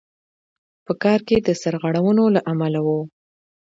په کار کې د سرغړونو له امله وو.